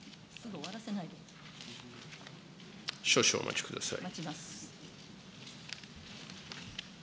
少々お待ちください。